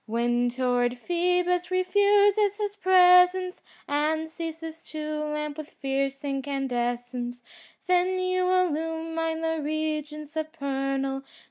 When torrid Phoebus refuses his presence And ceases to lamp with fierce incandescence^ Then you illumine the regions supernal.